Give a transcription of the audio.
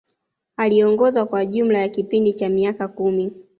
Aliongoza kwa jumla ya kipindi cha miaka kumi